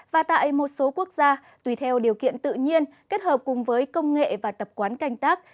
và tại một số quốc gia tùy theo điều kiện tự nhiên kết hợp cùng với công nghệ và tập quán canh tác